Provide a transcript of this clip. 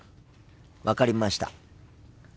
分かりました。